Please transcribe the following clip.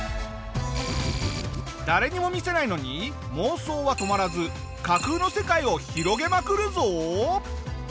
誰にも見せないのに妄想は止まらず架空の世界を広げまくるぞ！